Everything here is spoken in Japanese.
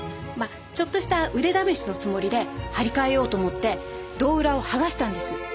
ちょっとした腕試しのつもりで張り替えようと思って胴裏を剥がしたんです。